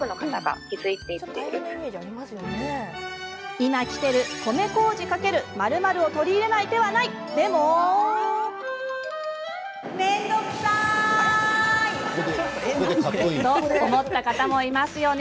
今きてる、米こうじ×○○を取り入れない手はない！と思った方もいますよね？